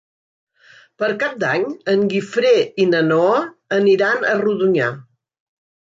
Per Cap d'Any en Guifré i na Noa aniran a Rodonyà.